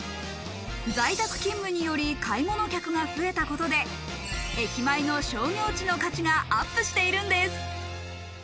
在宅勤務により買い物客が増えたことで駅前の商業地の価値がアップしているんです。